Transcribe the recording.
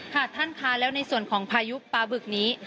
ค่ะท่านค่ะแล้วในส่วนของพายุปลาบึกนี้